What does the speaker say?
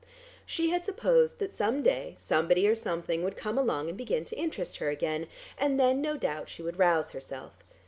She had supposed that some day somebody or something would come along and begin to interest her again, and then no doubt she would rouse herself.